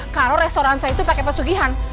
kalau restoran saya itu pakai pesugihan